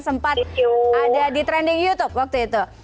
sempat ada di trending youtube waktu itu